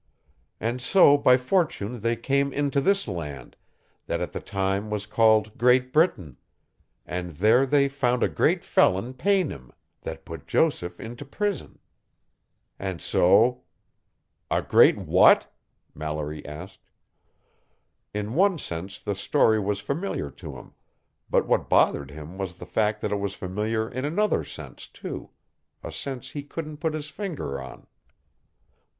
And so by fortune they came into this land, that at that time was called Great Britain: and there they found a great felon paynim, that put Joseph into prison. And so " "A great what?" Mallory asked. In one sense the story was familiar to him, but what bothered him was the fact that it was familiar in another sense too a sense he couldn't put his finger on.